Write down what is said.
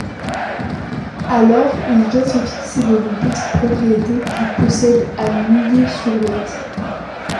Alors il vient se fixer dans une petite propriété qu'il possède à Nuillé-sur-Ouette.